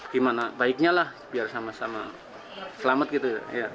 gimana baiknya lah biar sama sama selamat gitu